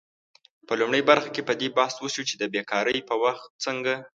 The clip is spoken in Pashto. په لومړۍ برخه کې په دې بحث وشو چې د بیکارۍ په وخت څنګه